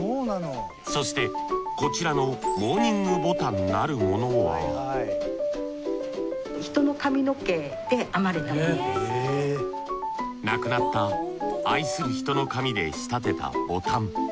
そしてこちらのモーニングボタンなるものは亡くなった愛する人の髪で仕立てたボタン。